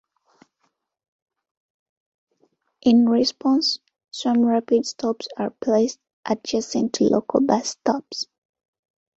In response, some Rapid stops are placed adjacent to Local bus stops.